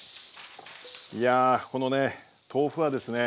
いやこのね豆腐はですね。